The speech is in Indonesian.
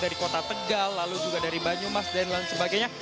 dari kota tegal lalu juga dari banyumas dan lain sebagainya